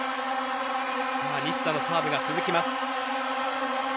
西田のサーブが続きます。